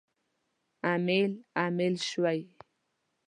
امیل، امیل شوی